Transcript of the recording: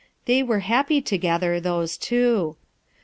They were happy together, those two.